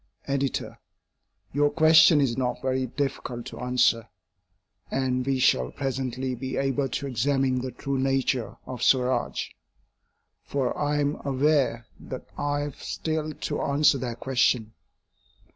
EDITOR: Your question is not very difficult to answer, and we shall presently be able to examine the true nature of Swaraj; for I am aware that I have still to answer that question.